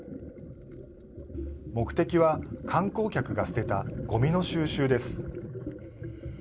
目的は観光客が捨てたごみの収集です。